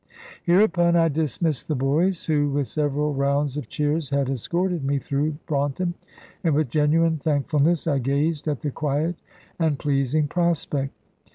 Hereupon I dismissed the boys, who, with several rounds of cheers, had escorted me through Braunton; and with genuine thankfulness I gazed at the quiet and pleasing prospect.